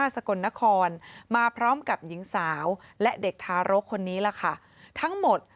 สกลนครมาพร้อมกับหญิงสาวและเด็กทารกคนนี้ล่ะค่ะทั้งหมด